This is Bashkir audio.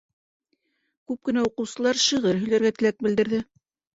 Күп кенә уҡыусылар шиғыр һөйләргә теләк белдерҙе.